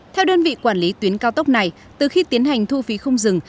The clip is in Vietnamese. theo đơn vị quản lý tuyến cao tốc này từ khi tiến hành thu phí không dừng